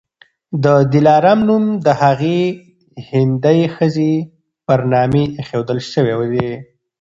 د دلارام نوم د هغي هندۍ ښځي پر نامي ایښودل سوی دی.